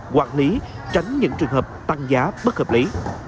quản lý tránh những trường hợp tăng giá bất hợp lý